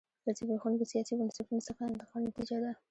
له زبېښونکو سیاسي بنسټونو څخه انتقال نتیجه ده.